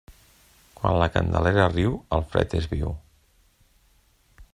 Quan la Candelera riu, el fred és viu.